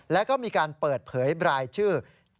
แล้วก็มีการเปิดเผยรายชื่อ